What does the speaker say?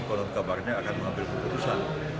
konon kabarnya akan mengambil keputusan